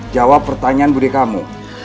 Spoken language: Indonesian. jawab pertanyaan budi kamu